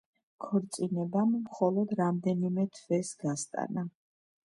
ქორწინებამ მხოლოდ რამდენიმე თვეს გასტანა.